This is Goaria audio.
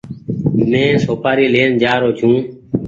مينٚ سوپآري لين جآرو ڇوٚنٚ